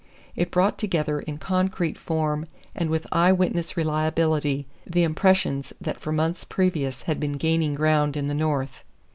It brought together in concrete form and with eye witness reliability the impressions that for months previous had been gaining ground in the North.